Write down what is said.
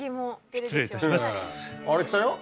失礼いたします。